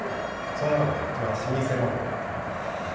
その中でも老舗の。